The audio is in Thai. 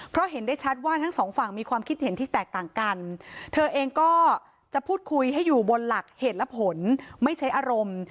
เพราะเห็นได้ชัดว่าทั้งสองฝั่งมีความคิดเห็นที่แตกต่างกันเธอเองก็จะพูดคุยให้อยู่บนหลักเหตุและผลไม่ใช้อารมณ์